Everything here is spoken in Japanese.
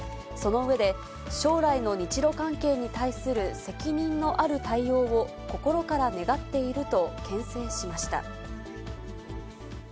その上で、将来の日ロ関係に対する責任のある対応を、心から願っていると、けん制しました。